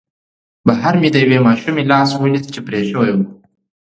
بهر مې د یوې ماشومې لاس ولید چې پرې شوی و